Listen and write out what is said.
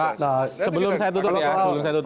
pak sebelum saya tutup